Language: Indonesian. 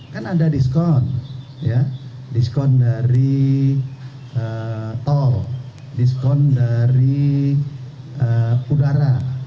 kan ada diskon diskon dari tol diskon dari udara